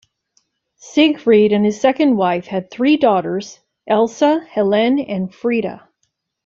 Siegfried and his second wife had three daughters, Else, Helene and Frieda.